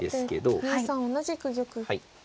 後手２三同じく玉。